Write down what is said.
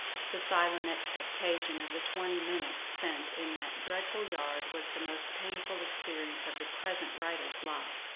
The silent expectation of the twenty minutes spent in that dreadful yard was the most painful experience of the present writer's life.